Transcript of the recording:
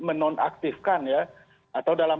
menonaktifkan atau dalam